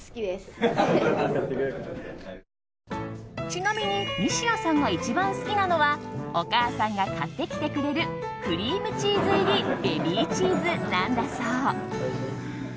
ちなみに西矢さんが一番好きなのはお母さんが買ってきてくれるクリームチーズ入りベビーチーズなんだそう。